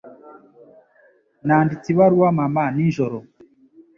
Nanditse ibaruwa mama nijoro.